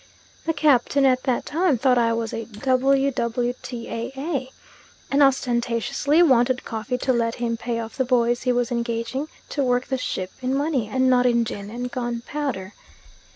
The Captain at that time thought I was a W.W.T.A.A. and ostentatiously wanted Koffee to let him pay off the boys he was engaging to work the ship in money, and not in gin and gunpowder.